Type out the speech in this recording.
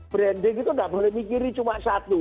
branding itu tidak boleh mikirin cuma satu